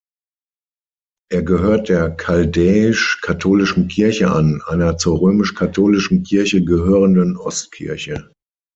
Er gehört der Chaldäisch-Katholischen Kirche an, einer zur Römisch-Katholischen Kirche gehörenden Ostkirche.